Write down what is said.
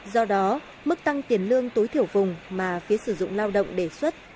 do đó mức tăng tiền lương tối thiểu vùng mà phía sử dụng lao động đề xuất